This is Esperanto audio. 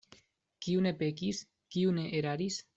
Kiu ne pekis, kiu ne eraris?